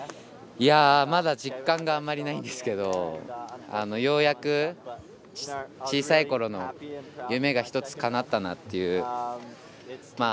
まだ実感があんまりないんですけどようやく、小さいころの夢が１つかなったなという。